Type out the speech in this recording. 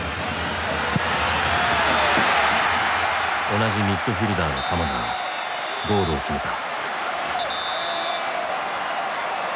同じミッドフィルダーの鎌田がゴールを決めた。